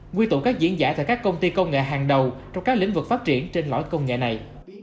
quy tụ các diễn giả tại các công ty công nghệ hàng đầu trong các lĩnh vực phát triển trên lõi công nghệ này